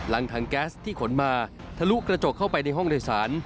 หลังถังแก๊สที่ขนมาทะลุกระจกเข้าไปในห้องโดยสาร